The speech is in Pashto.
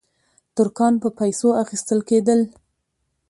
ترکان په پیسو اخیستل کېدل.